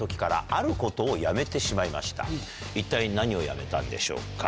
一体何をやめたんでしょうか？